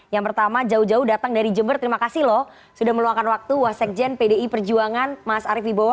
yang pertama jauh jauh datang dari jember terima kasih loh sudah meluangkan waktu wasekjen pdi perjuangan mas arief ibowo